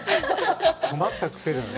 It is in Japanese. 困った癖だね。